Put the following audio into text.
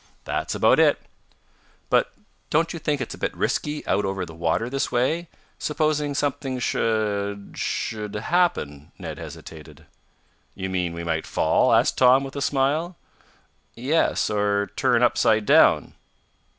"That's about it." "But don't you think it's a bit risky out over the water this way. Supposing something should should happen?" Ned hesitated. "You mean we might fall?" asked Tom, with a smile. "Yes; or turn upside down."